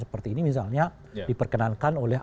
seperti ini misalnya diperkenankan oleh